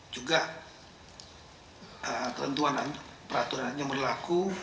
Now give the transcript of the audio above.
juga peruntuhan peraturan yang berlaku